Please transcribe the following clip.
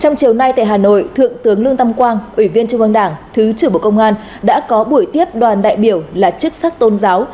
sáng chiều nay tại hà nội thượng tướng lương tâm quang ủy viên chương văn đảng thứ trưởng bộ công an đã có buổi tiếp đoàn đại biểu là chức sắc tôn giáo